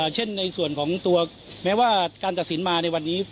เช่นในส่วนของตัวแม้ว่าการตัดสินมาในวันนี้